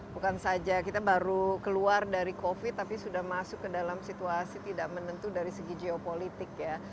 bukan saja kita baru keluar dari covid tapi sudah masuk ke dalam situasi tidak menentu dari segi geopolitik ya